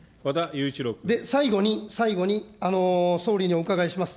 で、最後に、最後に総理にお伺いします。